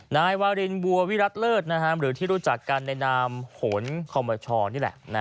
นายวารินบัววิรัติเลิศหรือที่รู้จักกันในนามโหนคอมชนี่แหละ